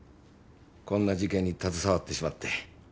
こんな事件に携わってしまって。